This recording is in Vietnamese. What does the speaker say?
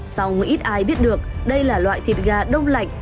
sau một ít ai biết được đây là loại thịt gà đông lạnh